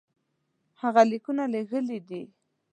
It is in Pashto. هغه لیکونه لېږلي دي.